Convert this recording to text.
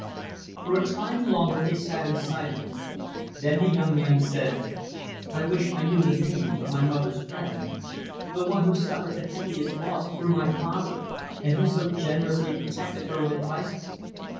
For a time longer they sat in silence. Then the young man said, "I wish I knew the name of my mother's friend the one who suffered the heaviest loss through my father, and who so generously protected her in the crisis.